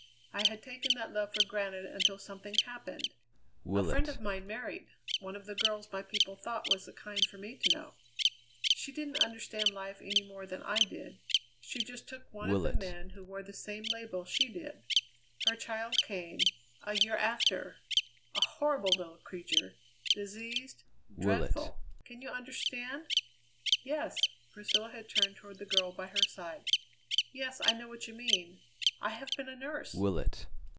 I had taken that love for granted until something happened. A friend of mine married one of the girls my people thought was the kind for me to know. She didn't understand life any more than I did; she just took one of the men who wore the same label she did. Her child came a year after; a horrible little creature diseased; dreadful can you understand?" "Yes" Priscilla had turned toward the girl by her side "yes, I know what you mean. I have been a nurse."